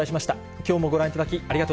きょうもご覧いただき、ありがと